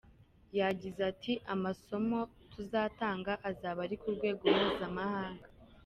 Yagize ati “Amasomo tuzatanga azaba ari ku rwego mpuzamahanga.